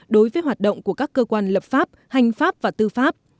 đối với hoạt động của các cơ quan lập pháp hành pháp và tư pháp